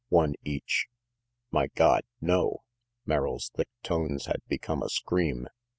One each "My God, no!" Merrill's thick tones had become a scream.